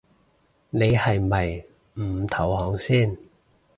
你係咪唔投降先